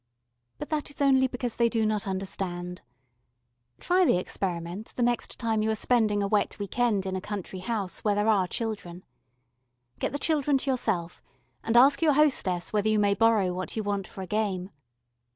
But that is only because they do not understand. Try the experiment the next time you are spending a wet week end in a country house where there are children. Get the children to yourself and ask your hostess whether you may borrow what you want for a game.